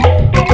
kau itu berkata